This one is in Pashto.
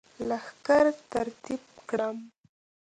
لښکر ترتیب کړم.